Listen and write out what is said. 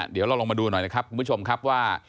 เดี๋ยวเราลองมาดูหน่อยนะครับคุณผู้ชมครับว่า